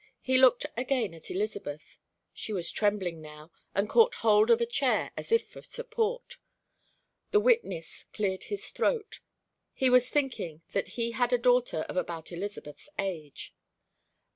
He looked again at Elizabeth. She was trembling now, and caught hold of a chair as if for support. The witness cleared his throat. He was thinking that he had a daughter of about Elizabeth's age.